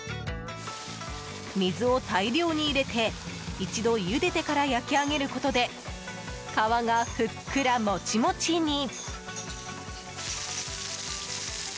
水を大量に入れて一度ゆでてから焼き上げることで皮がふっくら、もちもちに。